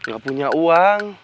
gak punya uang